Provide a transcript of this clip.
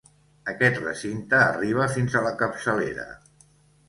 Aquest recinte arriba fins a la capçalera.